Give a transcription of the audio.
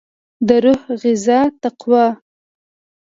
دروح غذا تقوا